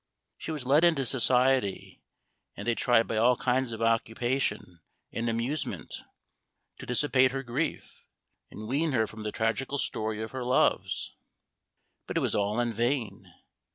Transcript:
She was led into society, and they tried by all kinds of occupation and amusement to dissipate her grief, and wean her from the tragical story of her loves. But it was all in vain.